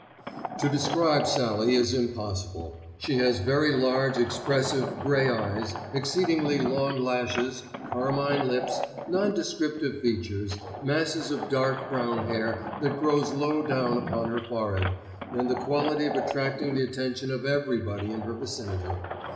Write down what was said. To describe Sallie is impossible. She has very large, expressive, grey eyes, exceedingly long lashes, carmine lips, nondescriptive features, masses of dark brown hair that grows low down upon her forehead, and the quality of attracting the attention of everybody in her vicinity.